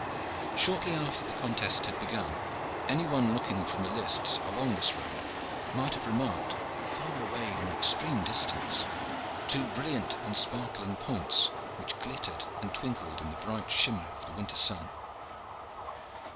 Shortly after the contest had begun, any one looking from the lists along this road might have remarked, far away in the extreme distance, two brilliant and sparkling points which glittered and twinkled in the bright shimmer of the winter sun.